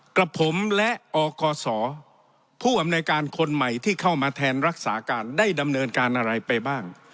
กับผมและอกศผู้อำนวยการคนใหม่ที่เข้ามาแทนรักษาการได้ดำเนินการอะไรไปบ้าง